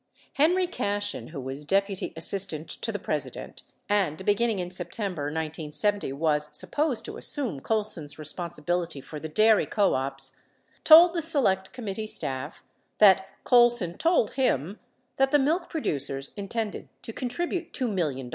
Henry Caslien (who was Deputy Assistant to the President and, be ginning in September 1970, was supposed to assume Colson's respon sibility for the dairy co ops) , told the Select Committee staff that Col son told him that the milk producers intended to contribute $2 mil lion.